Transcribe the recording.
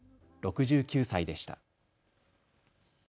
６９歳でした。